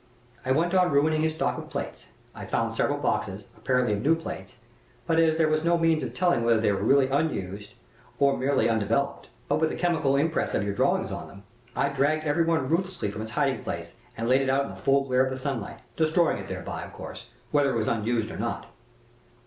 I went on ruining his stock of plates. I found several boxes, apparently of new plates, but, as there was no means of telling whether they were really unused or were merely undeveloped, but with the chemical impress of your drawings on them, I dragged every one ruthlessly from its hiding place and laid it out in the full glare of the sunlight destroying it thereby, of course, whether it was unused or not.